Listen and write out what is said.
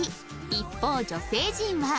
一方女性陣は